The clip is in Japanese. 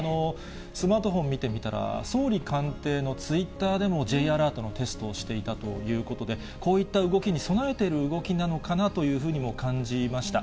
スマートフォンを見てみたら、総理官邸のツイッターでもＪアラートのテストをしていたということで、こういった動きに備えている動きなのかなというふうにも感じました。